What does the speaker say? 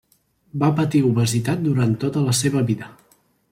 Va patir obesitat durant tota la seva vida.